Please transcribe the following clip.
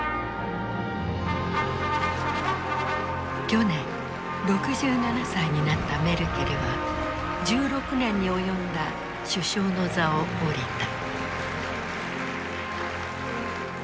去年６７歳になったメルケルは１６年に及んだ首相の座を降りた。